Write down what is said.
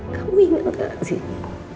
kamu ingat gak sih